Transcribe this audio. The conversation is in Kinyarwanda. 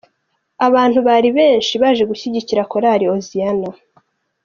Abantu bari benshi baje gushyigikira Korali Hoziyana.